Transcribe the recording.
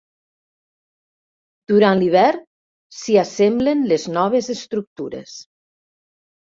Durant l'hivern, s'hi assemblen les noves estructures.